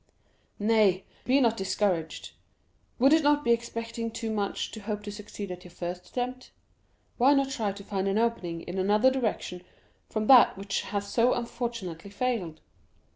"Nay, be not discouraged. Would it not be expecting too much to hope to succeed at your first attempt? Why not try to find an opening in another direction from that which has so unfortunately failed?"